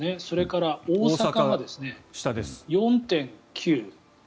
それから大阪が４．９％。